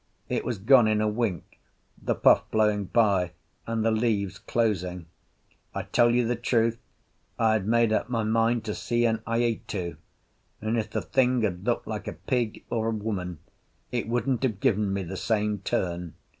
It was gone in a wink, the puff blowing by and the leaves closing. I tell you the truth: I had made up my mind to see an aitu; and if the thing had looked like a pig or a woman, it wouldn't have given me the same turn.